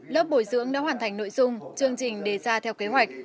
lớp bồi dưỡng đã hoàn thành nội dung chương trình đề ra theo kế hoạch